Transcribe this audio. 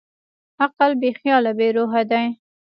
عقل بېخیاله بېروحه دی.